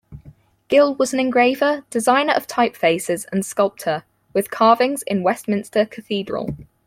Gill was an engraver, designer of typefaces and sculptor, with carvings in Westminster Cathedral.